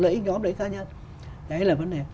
lợi ích nhóm lợi ích cá nhân đấy là vấn đề